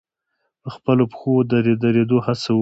په خپلو پښو د درېدو هڅه وکړي.